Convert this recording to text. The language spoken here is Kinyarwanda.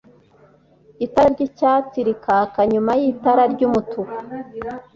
itara ry’icyatsi rikaka nyuma y’itara ry’umutuku